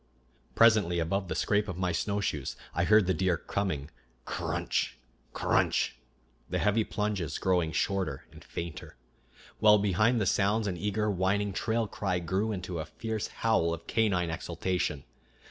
Presently, above the scrape of my snowshoes, I heard the deer coming, cr r runch! cr r runch! the heavy plunges growing shorter and fainter, while behind the sounds an eager, whining trail cry grew into a fierce howl of canine exultation.